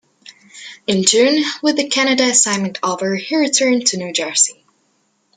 In June, with the Canada assignment over he returned to New Jersey.